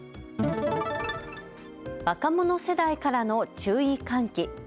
若者世代からの注意喚起。